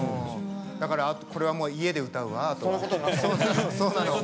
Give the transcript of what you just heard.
だからこれは家で歌うわあとは。